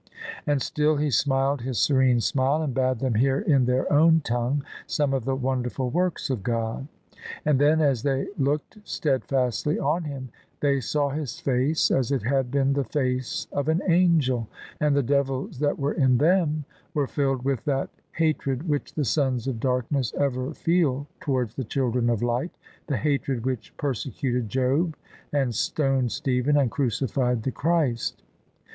And still he smiled his serene smile, and bade them hear in their own tongue some of the wonderful works of God. And then as they looked steadfastly on him they saw his face as it had been the face of an angel : and the devils that were in them were filled with that hatred which the sons of darkness ever feel towards the children of light — the hatred which persecuted Job and stoned Stephen and crucified the Christ.